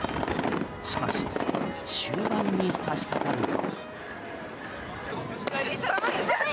しかし終盤に差しかかると。